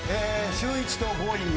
シューイチとＧｏｉｎｇ！